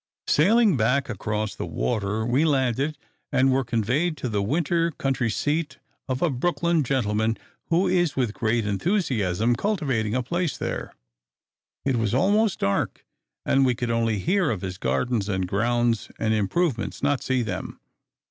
Sailing back across the water, we landed, and were conveyed to the winter country seat of a Brooklyn gentleman, who is with great enthusiasm cultivating a place there. It was almost dark; and we could only hear of his gardens and grounds and improvements, not see them.